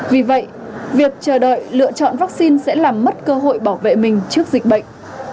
vì vậy việc chờ đợi lựa chọn vaccine sẽ làm mất cơ hội bảo vệ mình trước dịch bệnh